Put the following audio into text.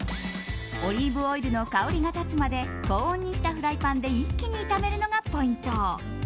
オリーブオイルの香りが立つまで高温にしたフライパンで一気に炒めるのがポイント。